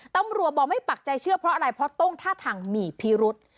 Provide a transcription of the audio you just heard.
ตำรวจบอกไม่ปักใจเชื่อเพราะอะไรเพราะต้องท่าทางมีพิรุษ